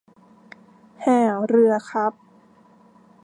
แห่เรือครับ